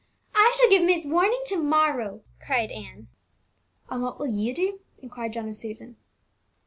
"I shall give miss warning to morrow!" cried Ann. "And what will you do?" inquired John of Susan.